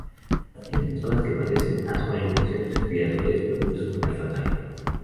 Para aquellas personas que padecen asma o infecciones respiratorias, puede resultar fatal.